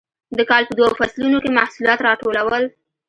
د کال په دوو فصلونو کې محصولات راټولول.